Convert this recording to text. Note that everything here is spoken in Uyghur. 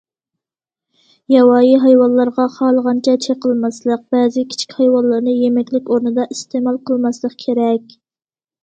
ياۋايى ھايۋانلارغا خالىغانچە چېقىلماسلىق، بەزى كىچىك ھايۋانلارنى يېمەكلىك ئورنىدا ئىستېمال قىلماسلىق كېرەك.